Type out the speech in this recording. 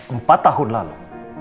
empat tahun lalu